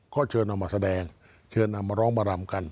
ก็เชิญเอามาแสดงเชิญเอามาร้องมารำกัน